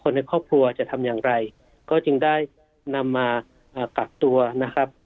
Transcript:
ในครอบครัวจะทำอย่างไรก็จึงได้นำมากักตัวนะครับ